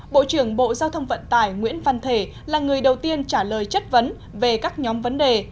bộ trưởng bộ giao thông vận tải nguyễn văn thể là người đầu tiên trả lời chất vấn về các nhóm vấn đề